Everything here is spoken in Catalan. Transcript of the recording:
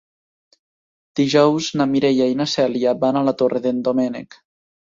Dijous na Mireia i na Cèlia van a la Torre d'en Doménec.